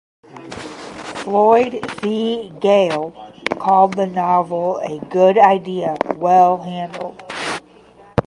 Floyd C. Gale called the novel "a good idea well handled".